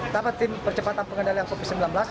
sama tim percepatan pengendalian covid sembilan belas